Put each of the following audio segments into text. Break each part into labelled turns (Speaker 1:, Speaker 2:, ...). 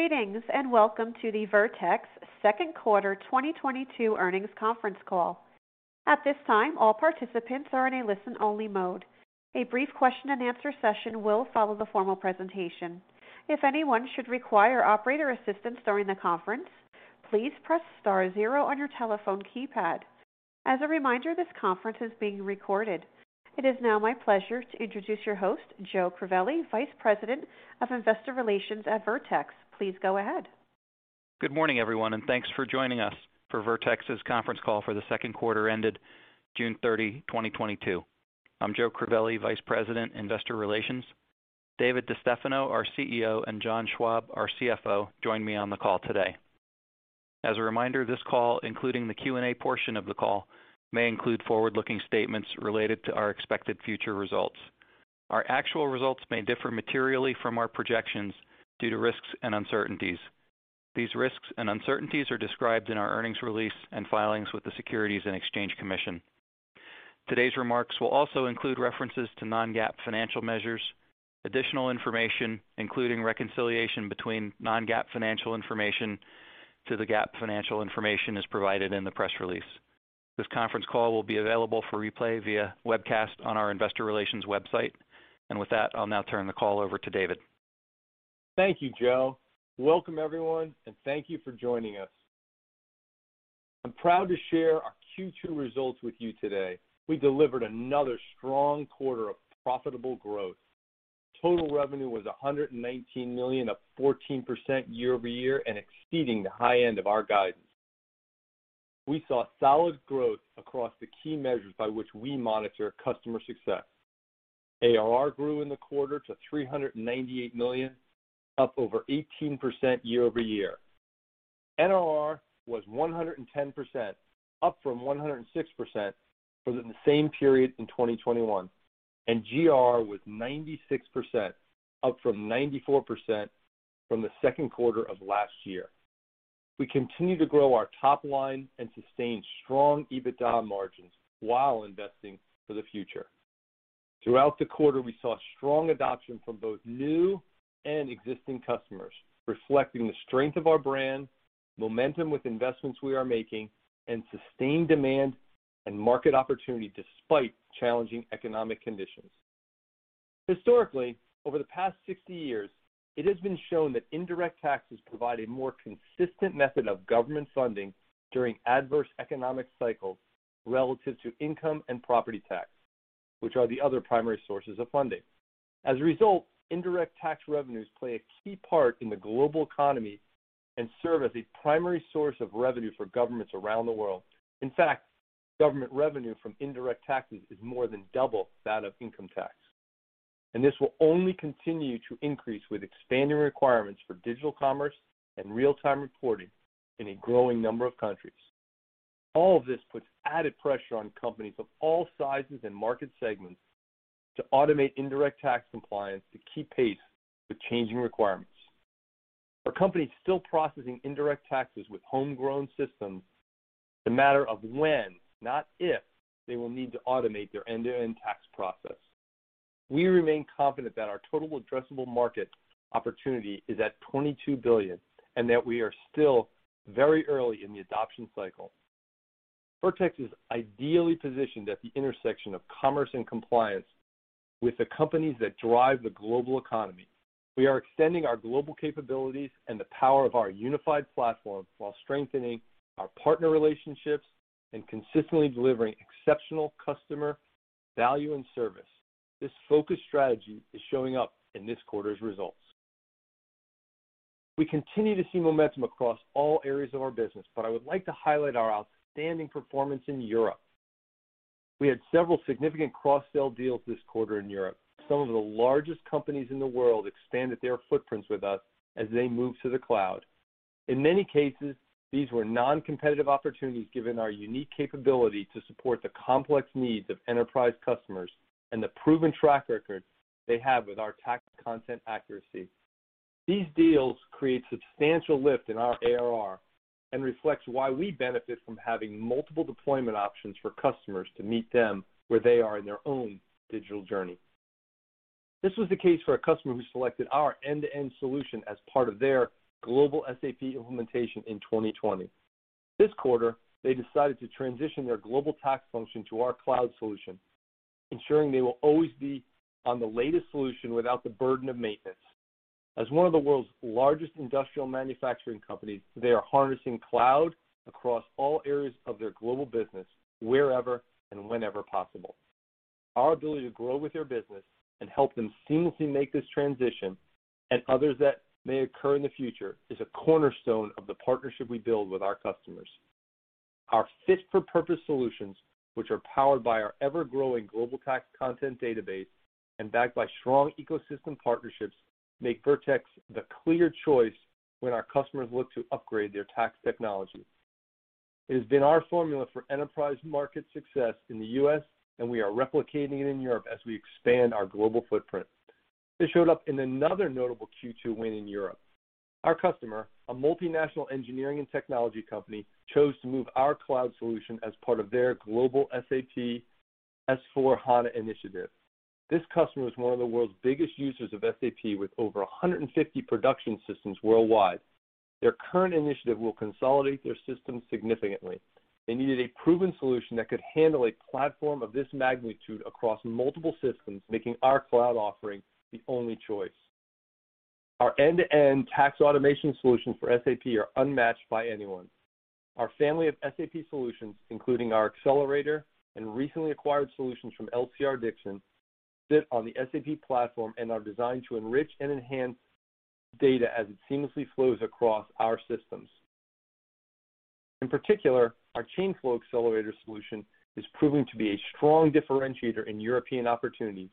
Speaker 1: Greetings and welcome to the Vertex Second Quarter 2022 Earnings Conference Call. At this time, all participants are in a listen-only mode. A brief question and answer session will follow the formal presentation. If anyone should require operator assistance during the conference, please press star zero on your telephone keypad. As a reminder, this conference is being recorded. It is now my pleasure to introduce your host, Joe Crivelli, Vice President of Investor Relations at Vertex. Please go ahead.
Speaker 2: Good morning, everyone, and thanks for joining us for Vertex's conference call for the second quarter ended June 30, 2022. I'm Joe Crivelli, Vice President, Investor Relations. David DeStefano, our CEO, and John Schwab, our CFO, join me on the call today. As a reminder, this call, including the Q&A portion of the call, may include forward-looking statements related to our expected future results. Our actual results may differ materially from our projections due to risks and uncertainties. These risks and uncertainties are described in our earnings release and filings with the Securities and Exchange Commission. Today's remarks will also include references to non-GAAP financial measures. Additional information, including reconciliation between non-GAAP financial information to the GAAP financial information, is provided in the press release. This conference call will be available for replay via webcast on our investor relations website. With that, I'll now turn the call over to David.
Speaker 3: Thank you, Joe. Welcome everyone, and thank you for joining us. I'm proud to share our Q2 results with you today. We delivered another strong quarter of profitable growth. Total revenue was $119 million, up 14% year-over-year and exceeding the high end of our guidance. We saw solid growth across the key measures by which we monitor customer success. ARR grew in the quarter to $398 million, up over 18% year-over-year. NRR was 110%, up from 106% from the same period in 2021, and GR was 96%, up from 94% from the second quarter of last year. We continue to grow our top line and sustain strong EBITDA margins while investing for the future. Throughout the quarter, we saw strong adoption from both new and existing customers, reflecting the strength of our brand, momentum with investments we are making, and sustained demand and market opportunity despite challenging economic conditions. Historically, over the past 60 years, it has been shown that indirect taxes provide a more consistent method of government funding during adverse economic cycles relative to income and property tax, which are the other primary sources of funding. As a result, indirect tax revenues play a key part in the global economy and serve as a primary source of revenue for governments around the world. In fact, government revenue from indirect taxes is more than double that of income tax, and this will only continue to increase with expanding requirements for digital commerce and real-time reporting in a growing number of countries. All of this puts added pressure on companies of all sizes and market segments to automate indirect tax compliance to keep pace with changing requirements. For companies still processing indirect taxes with homegrown systems, it's a matter of when, not if, they will need to automate their end-to-end tax process. We remain confident that our total addressable market opportunity is at $22 billion and that we are still very early in the adoption cycle. Vertex is ideally positioned at the intersection of commerce and compliance with the companies that drive the global economy. We are extending our global capabilities and the power of our unified platform while strengthening our partner relationships and consistently delivering exceptional customer value and service. This focused strategy is showing up in this quarter's results. We continue to see momentum across all areas of our business, but I would like to highlight our outstanding performance in Europe. We had several significant cross-sell deals this quarter in Europe. Some of the largest companies in the world expanded their footprints with us as they moved to the cloud. In many cases, these were non-competitive opportunities given our unique capability to support the complex needs of enterprise customers and the proven track record they have with our tax content accuracy. These deals create substantial lift in our ARR and reflects why we benefit from having multiple deployment options for customers to meet them where they are in their own digital journey. This was the case for a customer who selected our end-to-end solution as part of their global SAP implementation in 2020. This quarter, they decided to transition their global tax function to our cloud solution, ensuring they will always be on the latest solution without the burden of maintenance. As one of the world's largest industrial manufacturing companies, they are harnessing cloud across all areas of their global business wherever and whenever possible. Our ability to grow with their business and help them seamlessly make this transition and others that may occur in the future is a cornerstone of the partnership we build with our customers. Our fit-for-purpose solutions, which are powered by our ever-growing global tax content database and backed by strong ecosystem partnerships, make Vertex the clear choice when our customers look to upgrade their tax technology. It has been our formula for enterprise market success in the U.S., and we are replicating it in Europe as we expand our global footprint. This showed up in another notable Q2 win in Europe. Our customer, a multinational engineering and technology company, chose to move our cloud solution as part of their global SAP S/4HANA initiative. This customer is one of the world's biggest users of SAP with over 150 production systems worldwide. Their current initiative will consolidate their systems significantly. They needed a proven solution that could handle a platform of this magnitude across multiple systems, making our cloud offering the only choice. Our end-to-end tax automation solution for SAP are unmatched by anyone. Our family of SAP solutions, including our accelerator and recently acquired solutions from LCR-Dixon, sit on the SAP platform and are designed to enrich and enhance data as it seamlessly flows across our systems. In particular, our Chain Flow Accelerator solution is proving to be a strong differentiator in European opportunities.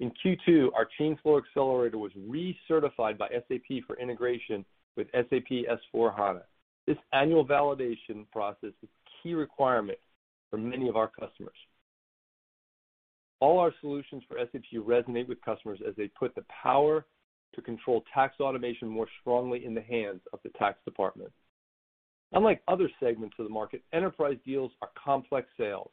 Speaker 3: In Q2, our Chain Flow Accelerator was recertified by SAP for integration with SAP S/4HANA. This annual validation process is a key requirement for many of our customers. All our solutions for SAP resonate with customers as they put the power to control tax automation more strongly in the hands of the tax department. Unlike other segments of the market, enterprise deals are complex sales.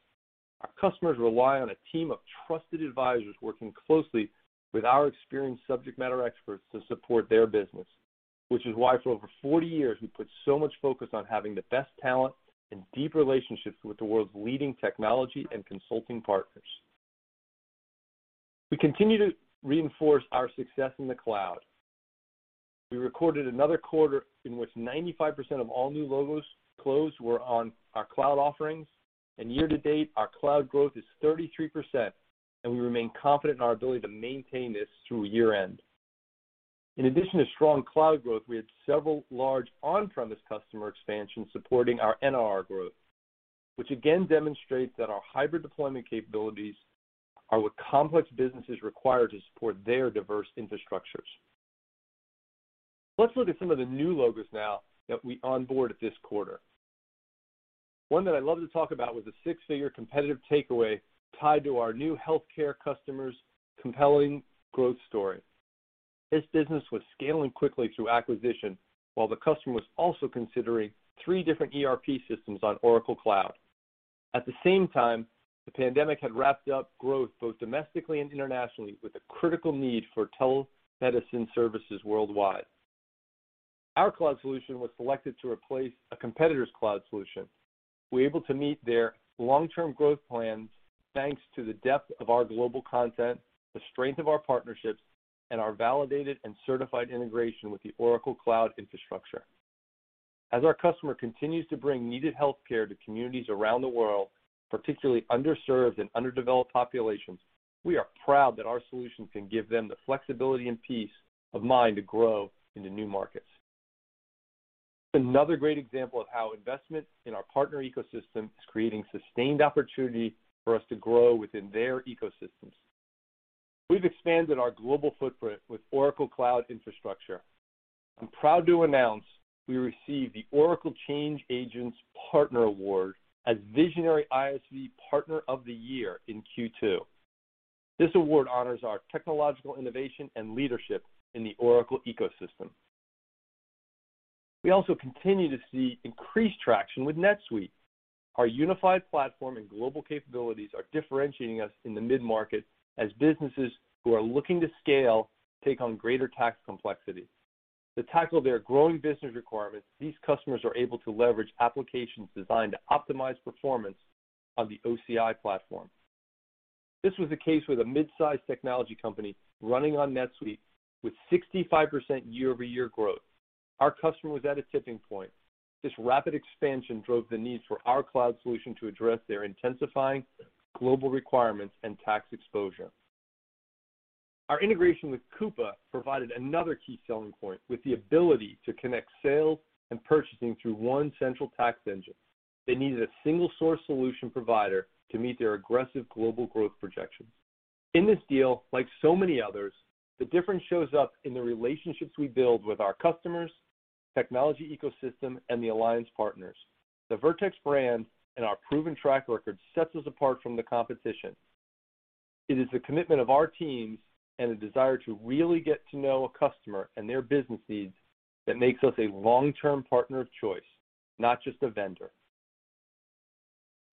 Speaker 3: Our customers rely on a team of trusted advisors working closely with our experienced subject matter experts to support their business, which is why for over 40 years, we put so much focus on having the best talent and deep relationships with the world's leading technology and consulting partners. We continue to reinforce our success in the cloud. We recorded another quarter in which 95% of all new logos closed were on our cloud offerings. Year-to-date, our cloud growth is 33%, and we remain confident in our ability to maintain this through year-end. In addition to strong cloud growth, we had several large on-premise customer expansion supporting our NRR growth, which again demonstrates that our hybrid deployment capabilities are what complex businesses require to support their diverse infrastructures. Let's look at some of the new logos now that we onboarded this quarter. One that I love to talk about was a six-figure competitive takeaway tied to our new healthcare customer's compelling growth story. This business was scaling quickly through acquisition while the customer was also considering three different ERP systems on Oracle Cloud. At the same time, the pandemic had wrapped up growth both domestically and internationally with a critical need for telemedicine services worldwide. Our cloud solution was selected to replace a competitor's cloud solution. We're able to meet their long-term growth plans thanks to the depth of our global content, the strength of our partnerships, and our validated and certified integration with the Oracle Cloud Infrastructure. As our customer continues to bring needed healthcare to communities around the world, particularly underserved and underdeveloped populations, we are proud that our solution can give them the flexibility and peace of mind to grow into new markets. Another great example of how investment in our partner ecosystem is creating sustained opportunity for us to grow within their ecosystems. We've expanded our global footprint with Oracle Cloud Infrastructure. I'm proud to announce we received the Oracle Change Agents Partner Award as Visionary ISV Partner of the Year in Q2. This award honors our technological innovation and leadership in the Oracle ecosystem. We also continue to see increased traction with NetSuite. Our unified platform and global capabilities are differentiating us in the mid-market as businesses who are looking to scale take on greater tax complexity. To tackle their growing business requirements, these customers are able to leverage applications designed to optimize performance on the OCI platform. This was the case with a mid-size technology company running on NetSuite with 65% year-over-year growth. Our customer was at a tipping point. This rapid expansion drove the need for our cloud solution to address their intensifying global requirements and tax exposure. Our integration with Coupa provided another key selling point with the ability to connect sales and purchasing through one central tax engine. They needed a single-source solution provider to meet their aggressive global growth projections. In this deal, like so many others, the difference shows up in the relationships we build with our customers, technology ecosystem, and the alliance partners. The Vertex brand and our proven track record sets us apart from the competition. It is the commitment of our teams and the desire to really get to know a customer and their business needs that makes us a long-term partner of choice, not just a vendor.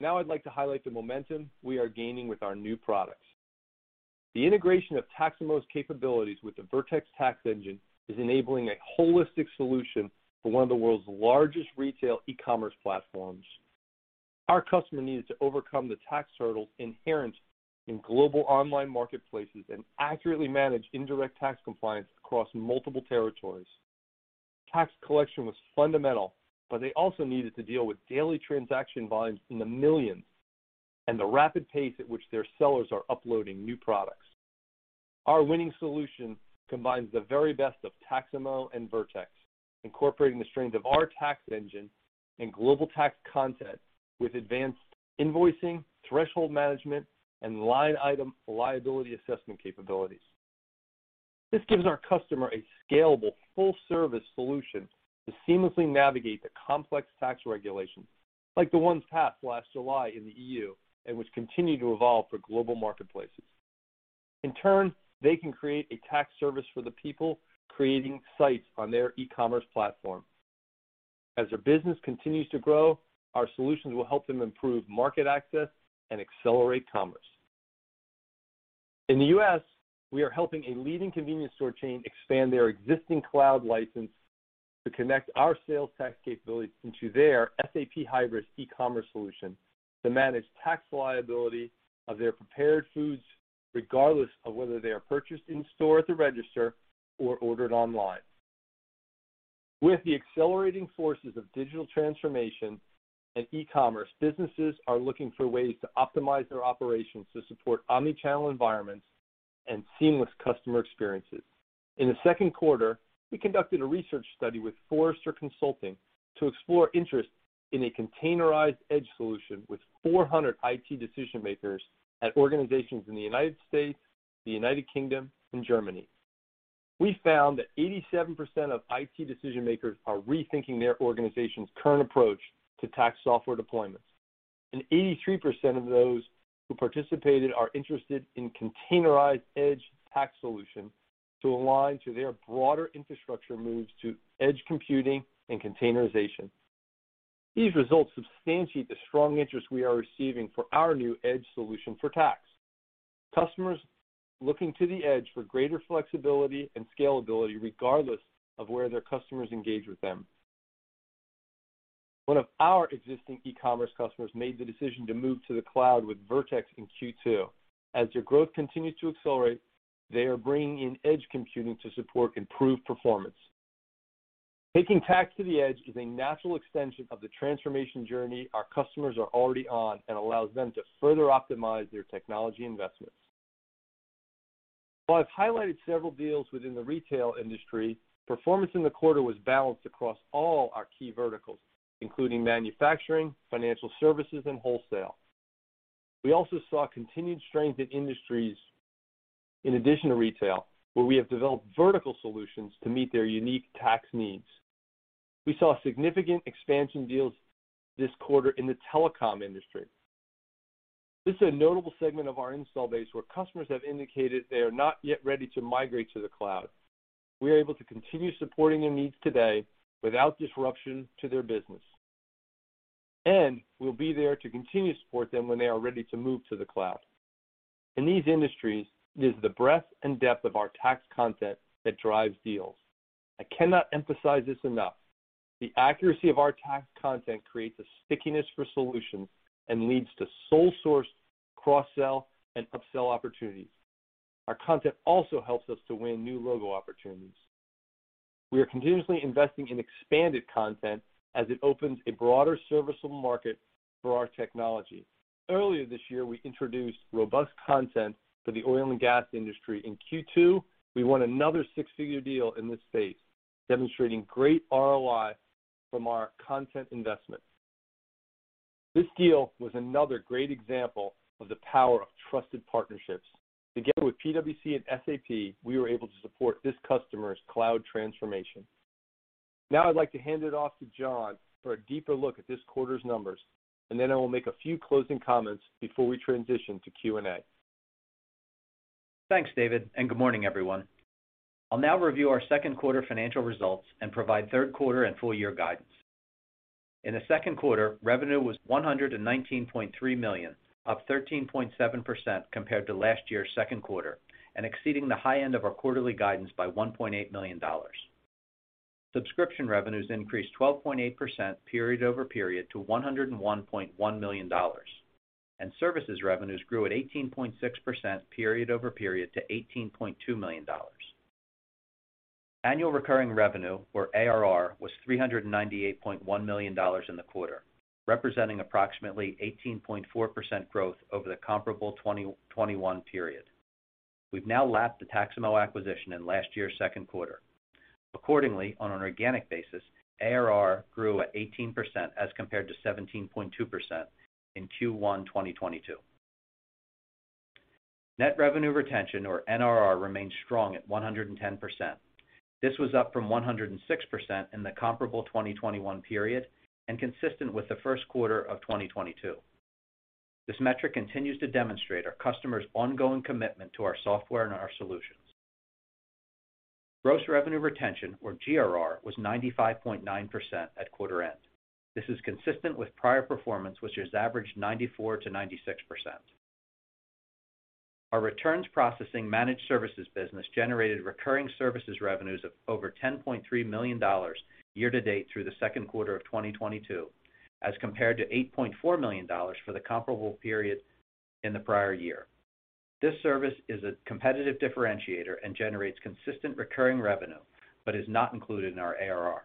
Speaker 3: Now I'd like to highlight the momentum we are gaining with our new products. The integration of Taxamo's capabilities with the Vertex tax engine is enabling a holistic solution for one of the world's largest retail e-commerce platforms. Our customer needed to overcome the tax hurdles inherent in global online marketplaces and accurately manage indirect tax compliance across multiple territories. Tax collection was fundamental, but they also needed to deal with daily transaction volumes in the millions and the rapid pace at which their sellers are uploading new products. Our winning solution combines the very best of Taxamo and Vertex, incorporating the strength of our tax engine and global tax content with advanced invoicing, threshold management, and line item liability assessment capabilities. This gives our customer a scalable full-service solution to seamlessly navigate the complex tax regulations like the ones passed last July in the EU, and which continue to evolve for global marketplaces. In turn, they can create a tax service for the people creating sites on their e-commerce platform. As their business continues to grow, our solutions will help them improve market access and accelerate commerce. In the U.S., we are helping a leading convenience store chain expand their existing cloud license to connect our sales tax capabilities into their SAP Hybris e-commerce solution to manage tax liability of their prepared foods, regardless of whether they are purchased in store at the register or ordered online. With the accelerating forces of digital transformation and e-commerce, businesses are looking for ways to optimize their operations to support omni-channel environments and seamless customer experiences. In the second quarter, we conducted a research study with Forrester Consulting to explore interest in a containerized edge solution with 400 IT decision makers at organizations in the United States, the United Kingdom, and Germany. We found that 87% of IT decision makers are rethinking their organization's current approach to tax software deployments. Eighty-three percent of those who participated are interested in containerized edge tax solution to align to their broader infrastructure moves to edge computing and containerization. These results substantiate the strong interest we are receiving for our new edge solution for tax. Customers looking to the edge for greater flexibility and scalability regardless of where their customers engage with them. One of our existing e-commerce customers made the decision to move to the cloud with Vertex in Q2. As their growth continues to accelerate, they are bringing in edge computing to support improved performance. Taking tax to the edge is a natural extension of the transformation journey our customers are already on and allows them to further optimize their technology investments. While I've highlighted several deals within the retail industry, performance in the quarter was balanced across all our key verticals, including manufacturing, financial services, and wholesale. We also saw continued strength in industries in addition to retail, where we have developed vertical solutions to meet their unique tax needs. We saw significant expansion deals this quarter in the telecom industry. This is a notable segment of our installed base where customers have indicated they are not yet ready to migrate to the cloud. We are able to continue supporting their needs today without disruption to their business. We'll be there to continue to support them when they are ready to move to the cloud. In these industries, it is the breadth and depth of our tax content that drives deals. I cannot emphasize this enough. The accuracy of our tax content creates a stickiness for solutions and leads to sole source, cross-sell, and upsell opportunities. Our content also helps us to win new logo opportunities. We are continuously investing in expanded content as it opens a broader serviceable market for our technology. Earlier this year, we introduced robust content for the oil and gas industry. In Q2, we won another six-figure deal in this space, demonstrating great ROI from our content investment. This deal was another great example of the power of trusted partnerships. Together with PwC and SAP, we were able to support this customer's cloud transformation. Now I'd like to hand it off to John for a deeper look at this quarter's numbers, and then I will make a few closing comments before we transition to Q&A.
Speaker 4: Thanks, David, and good morning, everyone. I'll now review our second quarter financial results and provide third quarter and full year guidance. In the second quarter, revenue was $119.3 million, up 13.7% compared to last year's second quarter and exceeding the high end of our quarterly guidance by $1.8 million. Subscription revenues increased 12.8% period-over-period to $101.1 million, and services revenues grew at 18.6% period over period to $18.2 million. Annual recurring revenue, or ARR, was $398.1 million in the quarter, representing approximately 18.4% growth over the comparable 2021 period. We've now lapped the Taxamo acquisition in last year's second quarter. Accordingly, on an organic basis, ARR grew at 18% as compared to 17.2% in Q1 2022. Net revenue retention, or NRR, remained strong at 110%. This was up from 106% in the comparable 2021 period and consistent with the first quarter of 2022. This metric continues to demonstrate our customers' ongoing commitment to our software and our solutions. Gross revenue retention, or GRR, was 95.9% at quarter end. This is consistent with prior performance, which has averaged 94%-96%. Our returns processing managed services business generated recurring services revenues of over $10.3 million year-to-date through the second quarter of 2022, as compared to $8.4 million for the comparable period in the prior year. This service is a competitive differentiator and generates consistent recurring revenue, but is not included in our ARR.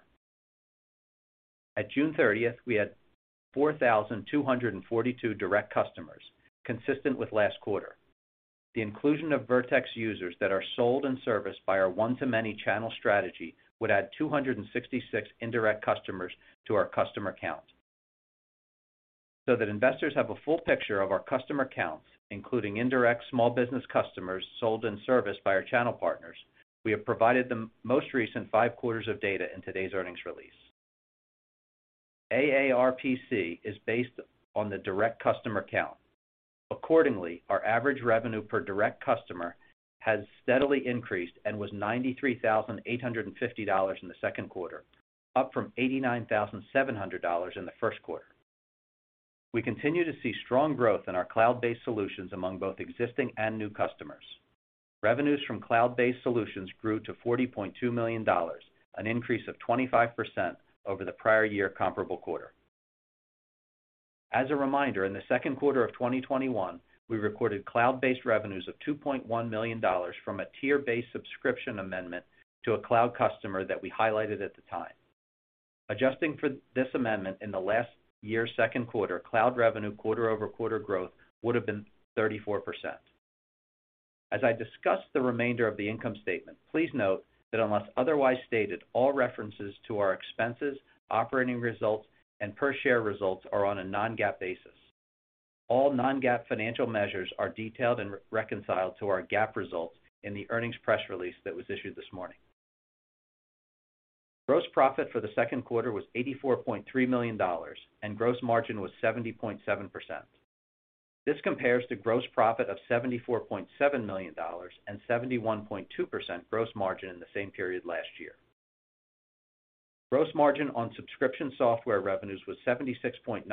Speaker 4: At June 30, we had 4,242 direct customers, consistent with last quarter. The inclusion of Vertex users that are sold and serviced by our one-to-many channel strategy would add 266 indirect customers to our customer count. That investors have a full picture of our customer counts, including indirect small business customers sold and serviced by our channel partners, we have provided the most recent five quarters of data in today's earnings release. AARPC is based on the direct customer count. Accordingly, our average revenue per direct customer has steadily increased and was $93,850 in the second quarter, up from $89,700 in the first quarter. We continue to see strong growth in our cloud-based solutions among both existing and new customers. Revenues from cloud-based solutions grew to $40.2 million, an increase of 25% over the prior year comparable quarter. As a reminder, in the second quarter of 2021, we recorded cloud-based revenues of $2.1 million from a tier-based subscription amendment to a cloud customer that we highlighted at the time. Adjusting for this amendment in the last year's second quarter, cloud revenue quarter-over-quarter growth would have been 34%. As I discuss the remainder of the income statement, please note that unless otherwise stated, all references to our expenses, operating results, and per share results are on a non-GAAP basis. All non-GAAP financial measures are detailed and re-reconciled to our GAAP results in the earnings press release that was issued this morning. Gross profit for the second quarter was $84.3 million, and gross margin was 70.7%. This compares to gross profit of $74.7 million and 71.2% gross margin in the same period last year. Gross margin on subscription software revenues was 76.9%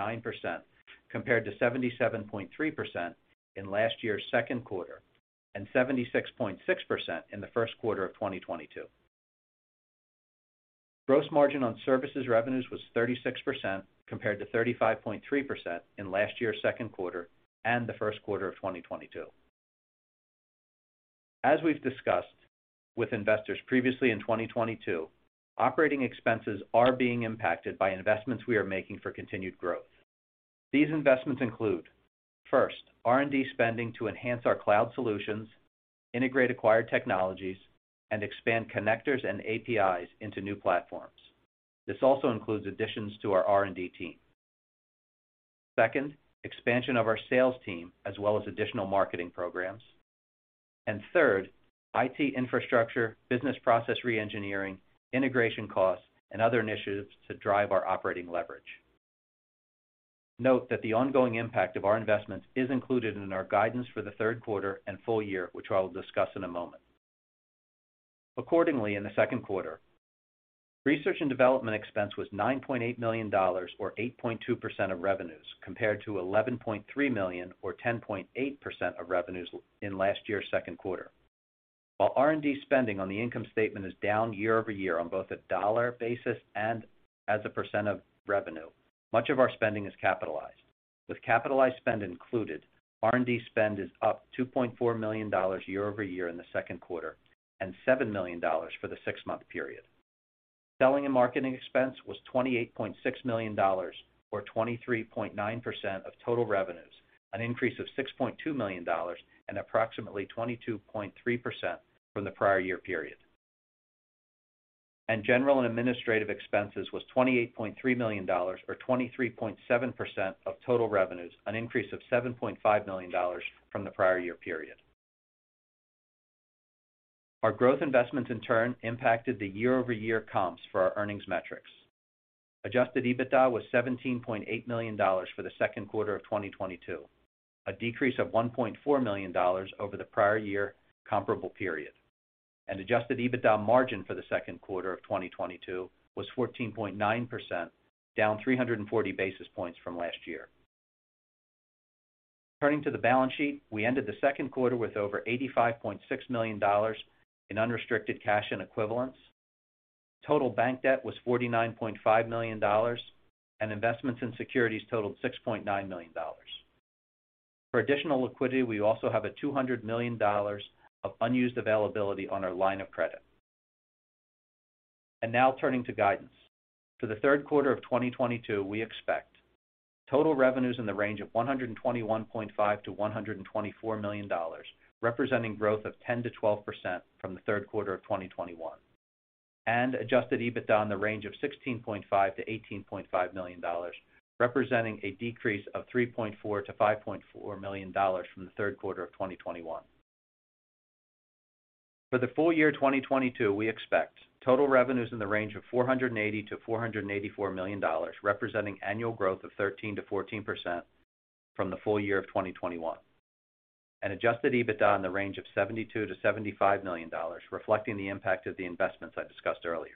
Speaker 4: compared to 77.3% in last year's second quarter and 76.6% in the first quarter of 2022. Gross margin on services revenues was 36% compared to 35.3% in last year's second quarter and the first quarter of 2022. As we've discussed with investors previously in 2022, operating expenses are being impacted by investments we are making for continued growth. These investments include, first, R&D spending to enhance our cloud solutions, integrate acquired technologies, and expand connectors and APIs into new platforms. This also includes additions to our R&D team. Second, expansion of our sales team, as well as additional marketing programs. Third, IT infrastructure, business process reengineering, integration costs, and other initiatives to drive our operating leverage. Note that the ongoing impact of our investments is included in our guidance for the third quarter and full year, which I will discuss in a moment. Accordingly, in the second quarter, research and development expense was $9.8 million or 8.2% of revenues, compared to $11.3 million or 10.8% of revenues in last year's second quarter. While R&D spending on the income statement is down year-over-year on both a dollar basis and as a percent of revenue, much of our spending is capitalized. With capitalized spend included, R&D spend is up $2.4 million year-over-year in the second quarter and $7 million for the six-month period. Selling and marketing expense was $28.6 million or 23.9% of total revenues, an increase of $6.2 million and approximately 22.3% from the prior year period. General and administrative expenses was $28.3 million or 23.7% of total revenues, an increase of $7.5 million from the prior year period. Our growth investment in turn impacted the year-over-year comps for our earnings metrics. Adjusted EBITDA was $17.8 million for the second quarter of 2022, a decrease of $1.4 million over the prior year comparable period. Adjusted EBITDA margin for the second quarter of 2022 was 14.9%, down 340 basis points from last year. Turning to the balance sheet, we ended the second quarter with over $85.6 million in unrestricted cash and equivalents. Total bank debt was $49.5 million, and investments in securities totaled $6.9 million. For additional liquidity, we also have $200 million of unused availability on our line of credit. Now turning to guidance. For the third quarter of 2022, we expect total revenues in the range of $121.5 million-$124 million, representing growth of 10%-12% from the third quarter of 2021. Adjusted EBITDA in the range of $16.5 million-$18.5 million, representing a decrease of $3.4 million-$5.4 million from the third quarter of 2021. For the full year 2022, we expect total revenues in the range of $480 million-$484 million, representing annual growth of 13%-14% from the full year of 2021. Adjusted EBITDA in the range of $72 million-$75 million, reflecting the impact of the investments I discussed earlier.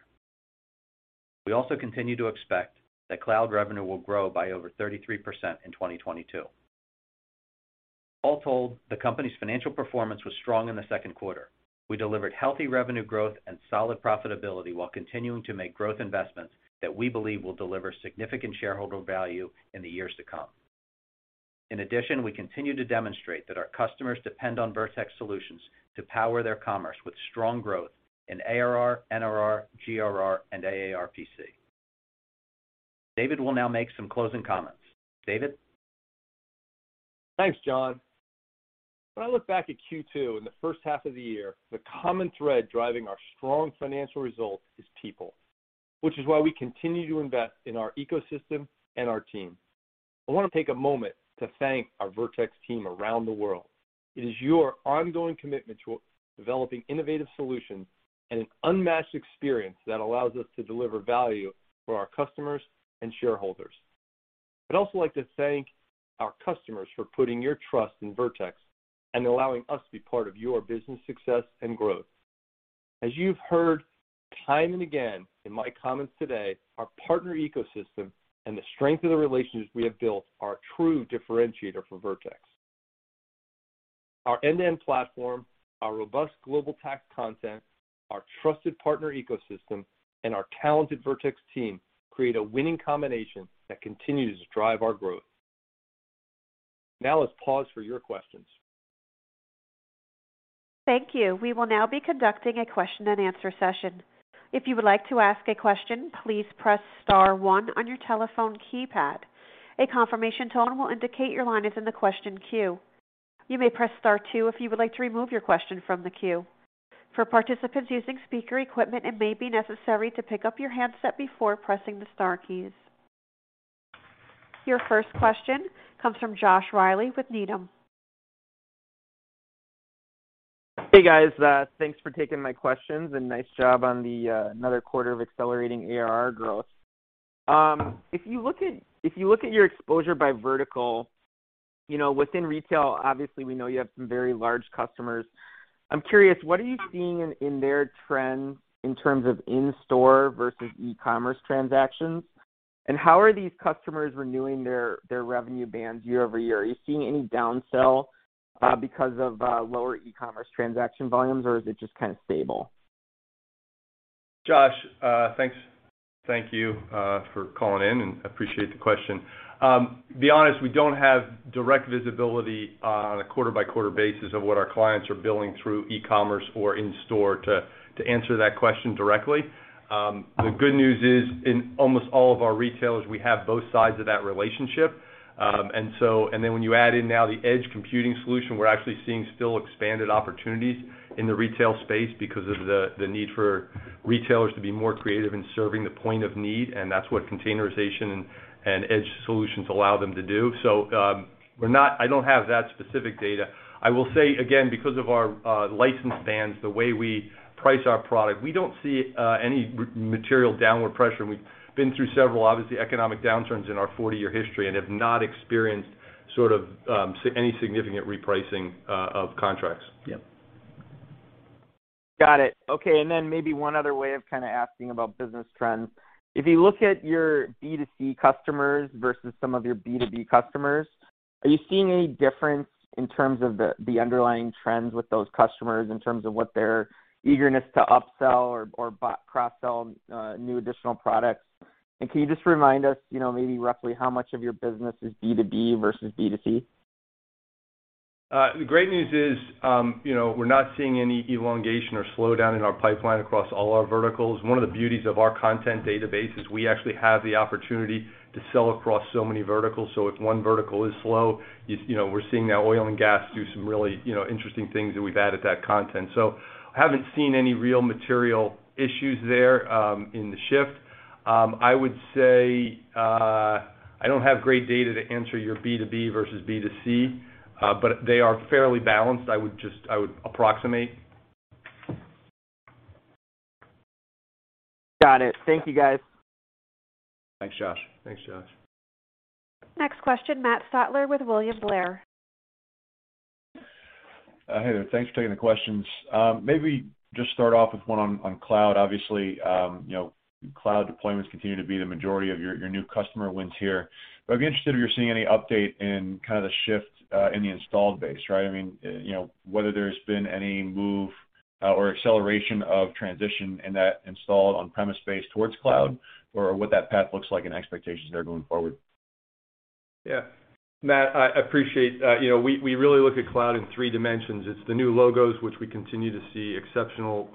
Speaker 4: We also continue to expect that cloud revenue will grow by over 33% in 2022. All told, the company's financial performance was strong in the second quarter. We delivered healthy revenue growth and solid profitability while continuing to make growth investments that we believe will deliver significant shareholder value in the years to come. In addition, we continue to demonstrate that our customers depend on Vertex solutions to power their commerce with strong growth in ARR, NRR, GRR, and AARPC. David will now make some closing comments. David?
Speaker 3: Thanks, John. When I look back at Q2 and the first half of the year, the common thread driving our strong financial results is people, which is why we continue to invest in our ecosystem and our team. I want to take a moment to thank our Vertex team around the world. It is your ongoing commitment to developing innovative solutions and an unmatched experience that allows us to deliver value for our customers and shareholders. I'd also like to thank our customers for putting your trust in Vertex and allowing us to be part of your business success and growth. As you've heard time and again in my comments today, our partner ecosystem and the strength of the relationships we have built are a true differentiator for Vertex. Our end-to-end platform, our robust global tax content, our trusted partner ecosystem, and our talented Vertex team create a winning combination that continues to drive our growth. Now let's pause for your questions.
Speaker 1: Thank you. We will now be conducting a question-and-answer session. If you would like to ask a question, please press star one on your telephone keypad. A confirmation tone will indicate your line is in the question queue. You may press star two if you would like to remove your question from the queue. For participants using speaker equipment, it may be necessary to pick up your handset before pressing the star keys. Your first question comes from Josh Reilly with Needham.
Speaker 5: Hey, guys. Thanks for taking my questions, and nice job on the another quarter of accelerating ARR growth. If you look at your exposure by vertical, you know, within retail, obviously, we know you have some very large customers. I'm curious, what are you seeing in their trends in terms of in-store versus e-commerce transactions? And how are these customers renewing their revenue bands year-over-year? Are you seeing any downsell because of lower e-commerce transaction volumes or is it just kind of stable?
Speaker 3: Josh, thanks. Thank you for calling in, and appreciate the question. To be honest, we don't have direct visibility on a quarter-by-quarter basis of what our clients are billing through e-commerce or in-store to answer that question directly. The good news is, in almost all of our retailers, we have both sides of that relationship. When you add in now the edge computing solution, we're actually seeing still expanded opportunities in the retail space because of the need for retailers to be more creative in serving the point of need, and that's what containerization and edge solutions allow them to do. I don't have that specific data. I will say again, because of our license bands, the way we price our product, we don't see any material downward pressure. We've been through several, obviously, economic downturns in our 40-year history and have not experienced sort of any significant repricing of contracts. Yeah.
Speaker 5: Got it. Okay, maybe one other way of kinda asking about business trends. If you look at your B2C customers versus some of your B2B customers, are you seeing any difference in terms of the underlying trends with those customers in terms of what their eagerness to upsell or cross-sell new additional products? Can you just remind us, you know, maybe roughly how much of your business is B2B versus B2C?
Speaker 3: The great news is, you know, we're not seeing any elongation or slowdown in our pipeline across all our verticals. One of the beauties of our content database is we actually have the opportunity to sell across so many verticals. If one vertical is slow, you know, we're seeing now oil and gas do some really, you know, interesting things that we've added that content. I haven't seen any real material issues there in the shift. I would say, I don't have great data to answer your B2B versus B2C, but they are fairly balanced, I would approximate.
Speaker 5: Got it. Thank you, guys.
Speaker 3: Thanks, Josh.
Speaker 4: Thanks, Josh.
Speaker 1: Next question, Matt Stotler with William Blair.
Speaker 6: Hey there. Thanks for taking the questions. Maybe just start off with one on cloud. Obviously, you know, cloud deployments continue to be the majority of your new customer wins here. I'd be interested if you're seeing any update in kind of the shift in the installed base, right? I mean, you know, whether there's been any move or acceleration of transition in that installed on-premise base towards cloud, or what that path looks like and expectations there going forward.
Speaker 3: Yeah. Matt, I appreciate. You know, we really look at cloud in three dimensions. It's the new logos, which we continue to see exceptional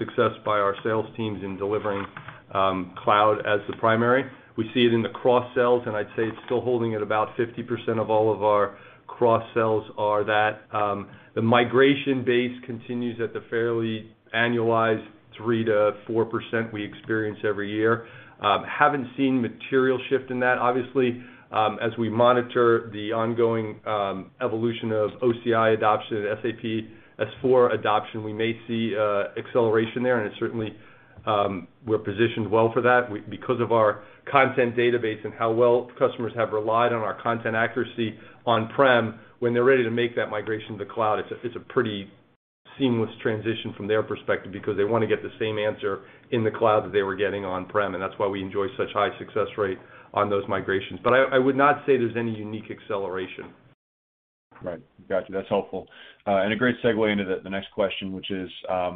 Speaker 3: success by our sales teams in delivering cloud as the primary. We see it in the cross-sells, and I'd say it's still holding at about 50% of all of our cross-sells are that. The migration base continues at the fairly annualized 3%-4% we experience every year. Haven't seen material shift in that. Obviously, as we monitor the ongoing evolution of OCI adoption and SAP S/4HANA adoption, we may see acceleration there, and it certainly we're positioned well for that. Because of our content database and how well customers have relied on our content accuracy on-prem, when they're ready to make that migration to the cloud, it's a pretty seamless transition from their perspective because they wanna get the same answer in the cloud that they were getting on-prem, and that's why we enjoy such high success rate on those migrations. I would not say there's any unique acceleration.
Speaker 6: Right. Got you. That's helpful. And a great segue into the next question, which is, I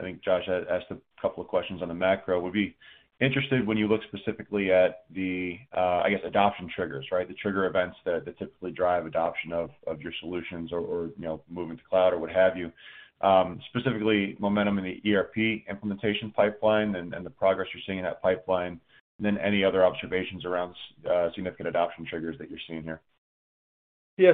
Speaker 6: think Josh asked a couple of questions on the macro. Would be interested when you look specifically at the, I guess, adoption triggers, right? The trigger events that typically drive adoption of your solutions, or, moving to cloud, or what have you. Specifically momentum in the ERP implementation pipeline and the progress you're seeing in that pipeline, and then any other observations around significant adoption triggers that you're seeing here.
Speaker 3: Yeah.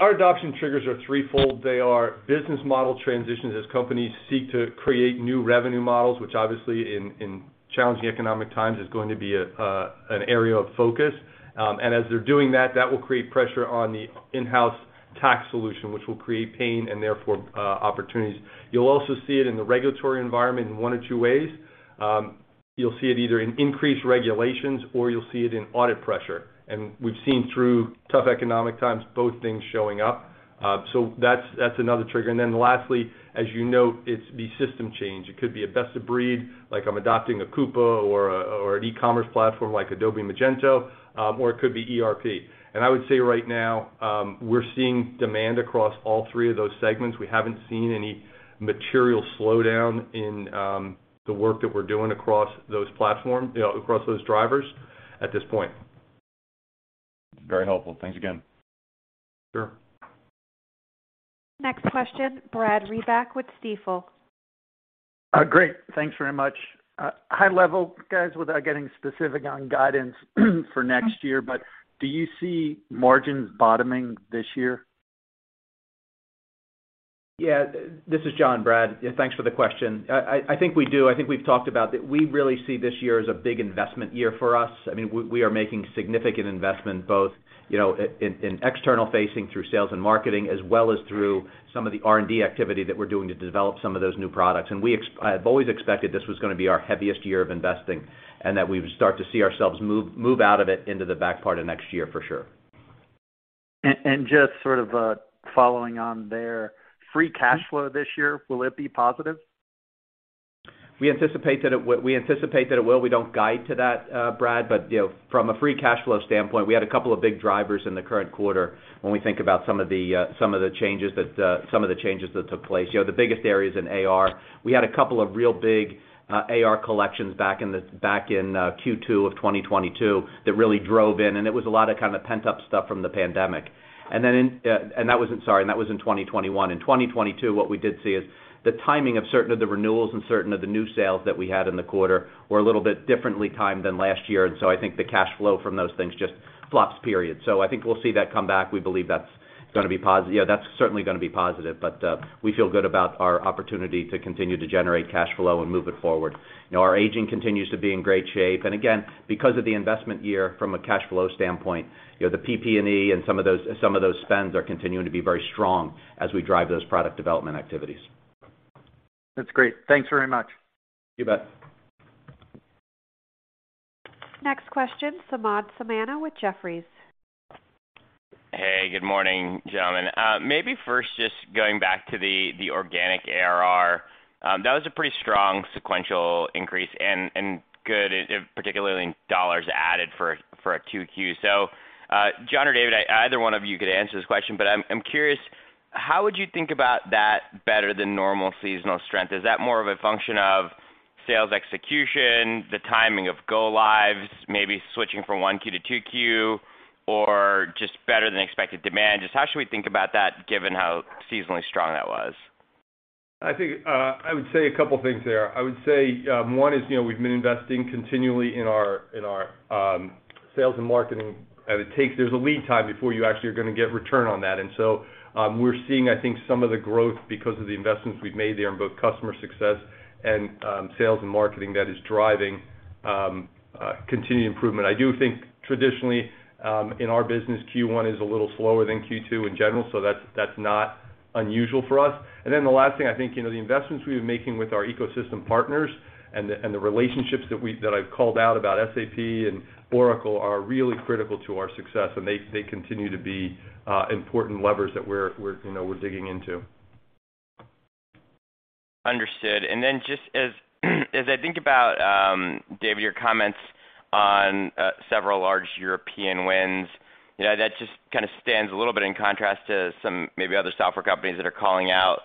Speaker 3: Our adoption triggers are threefold. They are business model transitions as companies seek to create new revenue models, which obviously, in challenging economic times is going to be an area of focus. As they're doing that will create pressure on the in-house tax solution, which will create pain and therefore, opportunities. You'll also see it in the regulatory environment in one of two ways. You'll see it either in increased regulations or you'll see it in audit pressure. We've seen through tough economic times, both things showing up. That's another trigger. Lastly, as you note, it's the system change. It could be a best-of-breed, like I'm adopting a Coupa or an e-commerce platform like Adobe Magento, or it could be ERP. I would say right now, we're seeing demand across all three of those segments. We haven't seen any material slowdown in the work that we're doing across those platforms, you know, across those drivers at this point.
Speaker 6: Very helpful. Thanks again.
Speaker 3: Sure.
Speaker 1: Next question, Brad Reback with Stifel.
Speaker 7: Great. Thanks very much. High level, guys, without getting specific on guidance for next year, but do you see margins bottoming this year?
Speaker 4: Yeah. This is John, Brad. Thanks for the question. I think we do. I think we've talked about that we really see this year as a big investment year for us. I mean, we are making significant investment both, you know, in external facing through sales and marketing, as well as through some of the R&D activity that we're doing to develop some of those new products. I've always expected this was gonna be our heaviest year of investing and that we would start to see ourselves move out of it into the back part of next year for sure.
Speaker 7: Just sort of following on there, free cash flow this year, will it be positive?
Speaker 4: We anticipate that it will. We don't guide to that, Brad. You know, from a free cash flow standpoint, we had a couple of big drivers in the current quarter when we think about some of the changes that took place. You know, the biggest area is in AR. We had a couple of real big AR collections back in Q2 of 2022 that really drove in, and it was a lot of kind of pent-up stuff from the pandemic, and that was in 2021. In 2022, what we did see is the timing of certain of the renewals and certain of the new sales that we had in the quarter were a little bit differently timed than last year. I think the cash flow from those things just flops, period. I think we'll see that come back. We believe that's gonna be positive. Yeah, that's certainly gonna be positive. We feel good about our opportunity to continue to generate cash flow and move it forward. You know, our aging continues to be in great shape. Again, because of the investment year from a cash flow standpoint, you know, the PP&E and some of those spends are continuing to be very strong as we drive those product development activities.
Speaker 7: That's great. Thanks very much.
Speaker 4: You bet.
Speaker 1: Next question, Samad Samana with Jefferies.
Speaker 8: Hey, good morning, gentlemen. Maybe first just going back to the organic ARR. That was a pretty strong sequential increase and good, particularly in dollars added for a Q2. John or David, either one of you could answer this question. I'm curious, how would you think about that better than normal seasonal strength? Is that more of a function of sales execution, the timing of go lives, maybe switching from 1Q to 2Q, or just better than expected demand? Just how should we think about that given how seasonally strong that was?
Speaker 3: I think, I would say a couple of things there. I would say, one is, you know, we've been investing continually in our sales and marketing, and it takes. There's a lead time before you actually are gonna get return on that. We're seeing, I think, some of the growth because of the investments we've made there in both customer success and sales and marketing that is driving continued improvement. I do think traditionally, in our business, Q1 is a little slower than Q2 in general, so that's not unusual for us. The last thing, I think, you know, the investments we've been making with our ecosystem partners and the relationships that I've called out about SAP and Oracle are really critical to our success, and they continue to be important levers that we're you know, we're digging into.
Speaker 8: Understood. Just as I think about David, your comments on several large European wins, you know, that just kinda stands a little bit in contrast to some maybe other software companies that are calling out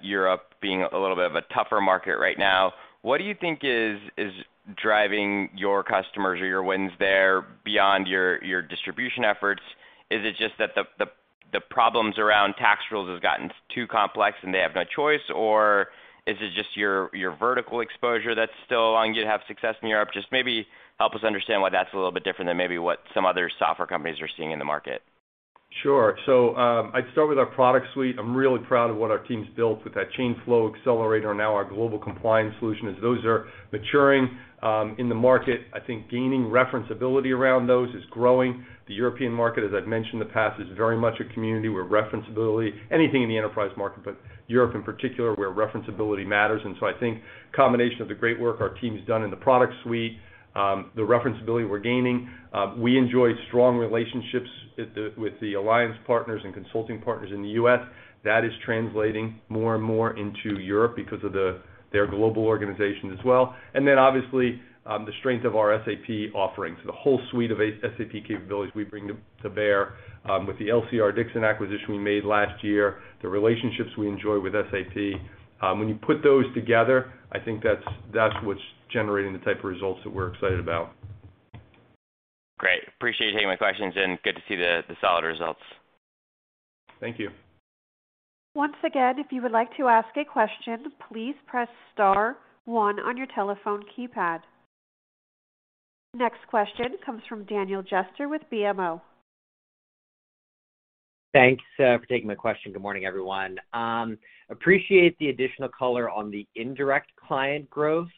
Speaker 8: Europe being a little bit of a tougher market right now. What do you think is driving your customers or your wins there beyond your distribution efforts? Is it just that the problems around tax rules has gotten too complex and they have no choice? Or is it just your vertical exposure that's still allowing you to have success in Europe? Just maybe help us understand why that's a little bit different than maybe what some other software companies are seeing in the market.
Speaker 3: Sure. I'd start with our product suite. I'm really proud of what our team's built with that Chain Flow Accelerator, now our global compliance solution, as those are maturing in the market. I think gaining referenceability around those is growing. The European market, as I've mentioned in the past, is very much a community where referenceability, anything in the enterprise market, but Europe in particular, where referenceability matters. I think combination of the great work our team's done in the product suite, the referenceability we're gaining. We enjoy strong relationships with the alliance partners and consulting partners in the U.S. That is translating more and more into Europe because of their global organization as well. Obviously, the strength of our SAP offerings. The whole suite of SAP capabilities we bring to bear with the LCR-Dixon acquisition we made last year, the relationships we enjoy with SAP. When you put those together, I think that's what's generating the type of results that we're excited about.
Speaker 8: Great. Appreciate you taking my questions, and good to see the solid results.
Speaker 3: Thank you.
Speaker 1: Once again, if you would like to ask a question, please press star one on your telephone keypad. Next question comes from Daniel Jester with BMO.
Speaker 9: Thanks for taking my question. Good morning, everyone. Appreciate the additional color on the indirect client growth.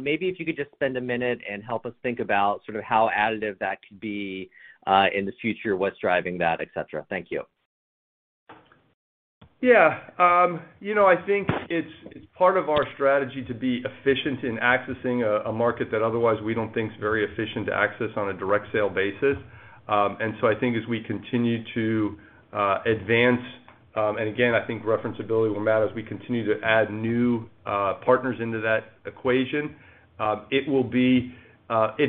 Speaker 9: Maybe if you could just spend a minute and help us think about sort of how additive that could be in the future, what's driving that, et cetera. Thank you.
Speaker 3: Yeah. You know, I think it's part of our strategy to be efficient in accessing a market that otherwise we don't think is very efficient to access on a direct sale basis. I think as we continue to advance, and again, I think referenceability will matter as we continue to add new partners into that equation. It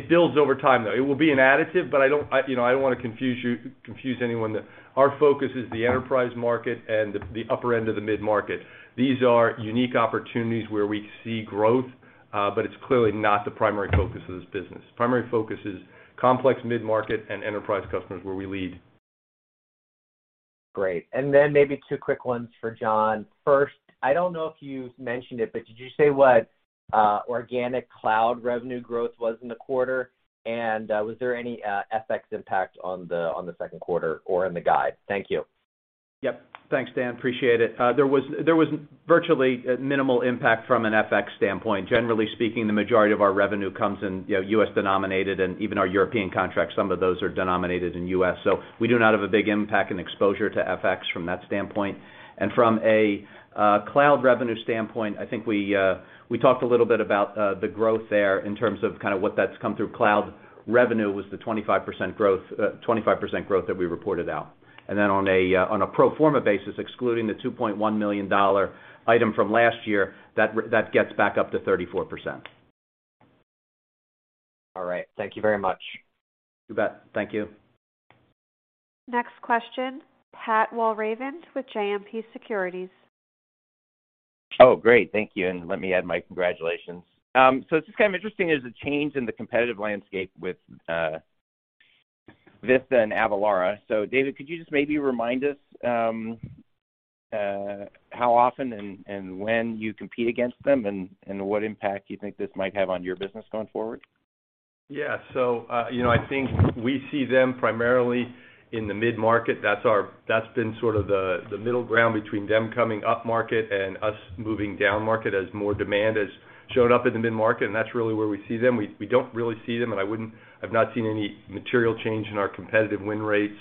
Speaker 3: builds over time, though. It will be an additive, but I don't you know, I don't wanna confuse you, confuse anyone that our focus is the enterprise market and the upper end of the mid-market. These are unique opportunities where we see growth, but it's clearly not the primary focus of this business. Primary focus is complex mid-market and enterprise customers where we lead.
Speaker 9: Great. Then maybe two quick ones for John. First, I don't know if you mentioned it, but did you say what organic cloud revenue growth was in the quarter? Was there any FX impact on the second quarter or in the guide? Thank you.
Speaker 4: Yeah. Thanks, Dan. Appreciate it. There was virtually minimal impact from an FX standpoint. Generally speaking, the majority of our revenue comes in, you know, U.S.-denominated, and even our European contracts, some of those are denominated in U.S. So we do not have a big impact and exposure to FX from that standpoint. From a cloud revenue standpoint, I think we talked a little bit about the growth there in terms of kind of what that's come through cloud revenue. Cloud revenue was the 25% growth that we reported out. Then on a pro forma basis, excluding the $2.1 million item from last year, that gets back up to 34%.
Speaker 9: All right. Thank you very much.
Speaker 4: You bet. Thank you.
Speaker 1: Next question, Pat Walravens with JMP Securities.
Speaker 10: Oh, great. Thank you, and let me add my congratulations. It's just kind of interesting, there's a change in the competitive landscape with Vista and Avalara. David, could you just maybe remind us how often and when you compete against them, and what impact you think this might have on your business going forward?
Speaker 3: Yeah. You know, I think we see them primarily in the mid-market. That's been sort of the middle ground between them coming up market and us moving down market as more demand has shown up in the mid-market, and that's really where we see them. We don't really see them, and I wouldn't. I've not seen any material change in our competitive win rates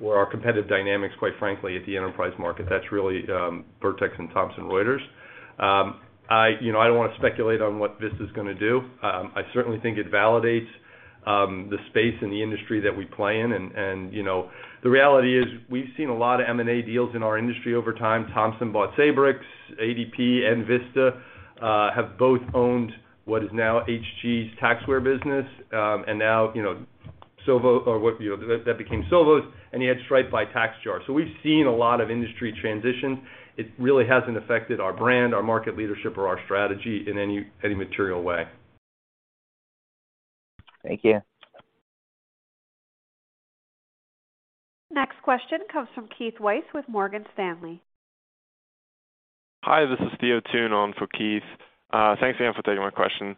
Speaker 3: or our competitive dynamics, quite frankly, at the enterprise market. That's really Vertex and Thomson Reuters. You know, I don't wanna speculate on what this is gonna do. I certainly think it validates the space and the industry that we play in, and you know, the reality is we've seen a lot of M&A deals in our industry over time. Thomson bought Sabrix. ADP and Vista have both owned what is now Hg's Taxware business. Now, you know, Sovos or what, you know. That became Sovos, and you had Stripe buy TaxJar. We've seen a lot of industry transitions. It really hasn't affected our brand, our market leadership or our strategy in any material way.
Speaker 10: Thank you.
Speaker 1: Next question comes from Theo Thun with Morgan Stanley.
Speaker 11: Hi, this is Theo Tune on for Keith Weiss. Thanks again for taking my question.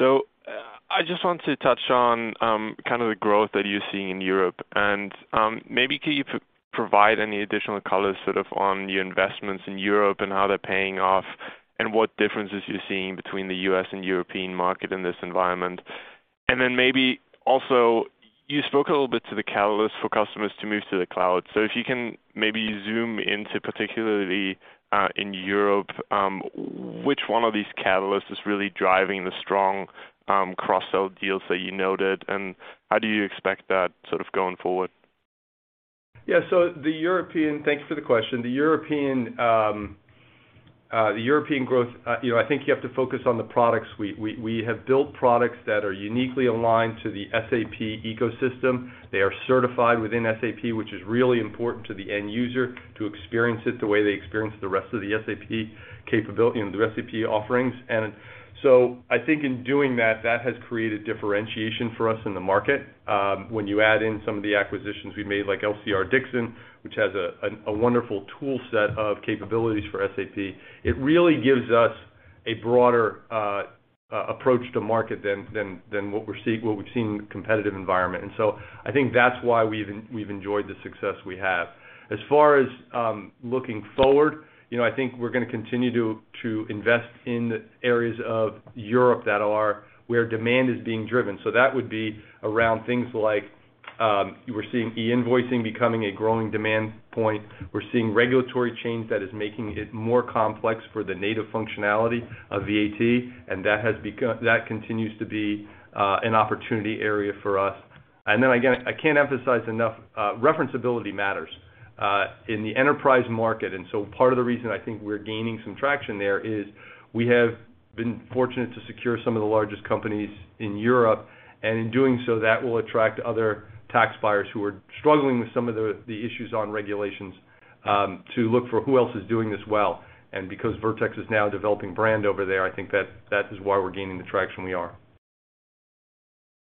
Speaker 11: I just want to touch on kind of the growth that you're seeing in Europe. Maybe can you provide any additional color sort of on the investments in Europe and how they're paying off and what differences you're seeing between the U.S. and European market in this environment? Maybe also, you spoke a little bit to the catalyst for customers to move to the cloud. If you can maybe zoom into particularly in Europe, which one of these catalysts is really driving the strong cross-sell deals that you noted, and how do you expect that sort-of going forward?
Speaker 3: Yeah. Thanks for the question. The European growth, you know, I think you have to focus on the products we have built that are uniquely aligned to the SAP ecosystem. They are certified within SAP, which is really important to the end user to experience it the way they experience the rest of the SAP capability and the SAP offerings. I think in doing that has created differentiation for us in the market. When you add in some of the acquisitions we made, like LCR-Dixon, which has a wonderful tool set of capabilities for SAP, it really gives us a broader approach to market than what we've seen competitive environment. I think that's why we've enjoyed the success we have. As far as looking forward, you know, I think we're gonna continue to invest in the areas of Europe that are where demand is being driven. That would be around things like, we're seeing e-invoicing becoming a growing demand point. We're seeing regulatory change that is making it more complex for the native functionality of VAT, and that continues to be an opportunity area for us. Then again, I can't emphasize enough, referenceability matters in the enterprise market. Part of the reason I think we're gaining some traction there is we have been fortunate to secure some of the largest companies in Europe. In doing so, that will attract other tax buyers who are struggling with some of the issues on regulations to look for who else is doing this well. Because Vertex is now a developing brand over there, I think that is why we're gaining the traction we are.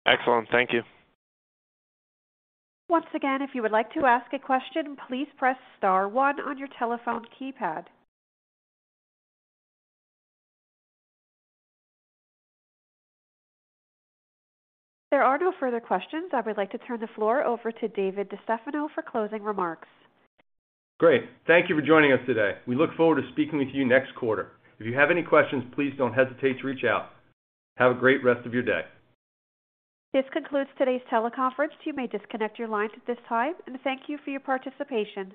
Speaker 11: Excellent. Thank you.
Speaker 1: Once again, if you would like to ask a question, please press star one on your telephone keypad. There are no further questions. I would like to turn the floor over to David DeStefano for closing remarks.
Speaker 3: Great. Thank you for joining us today. We look forward to speaking with you next quarter. If you have any questions, please don't hesitate to reach out. Have a great rest of your day.
Speaker 1: This concludes today's teleconference. You may disconnect your lines at this time, and thank you for your participation.